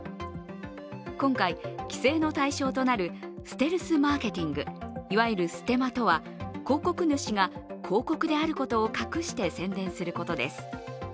今回、規制の対象となるステルスマーケティング、いわゆるステマとは広告主が広告であることを隠して宣伝することです。